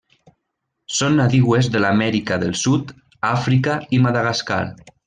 Són nadiues de l'Amèrica del Sud, Àfrica i Madagascar.